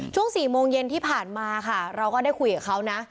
ช่วง๔โมงเย็นที่ผ่านมาค่ะเราก็ได้คุยกับเขานะ